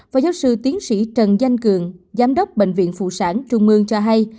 phó giáo sư tiến sĩ trần danh cường giám đốc bệnh viện phụ sản trung mương cho hay